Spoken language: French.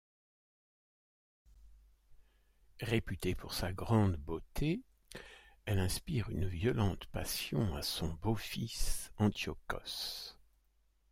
Réputée pour sa grande beauté elle inspire une violente passion à son beau-fils Antiochos.